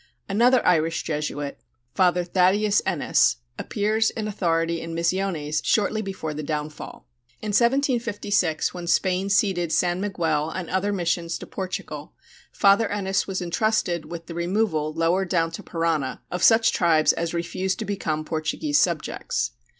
Another Irish Jesuit, Father Thaddeus Ennis, appears in authority in Misiones shortly before the downfall. In 1756, when Spain ceded San Miguel and other missions to Portugal, Father Ennis was entrusted with the removal lower down to Parana of such tribes as refused to become Portuguese subjects.